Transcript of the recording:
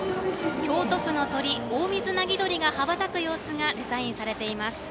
京都府の鳥、オオミズナギドリが羽ばたく様子がデザインされています。